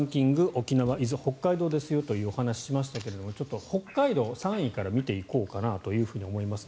沖縄、伊豆、北海道ですよというお話をしましたが北海道、３位から見ていこうと思います。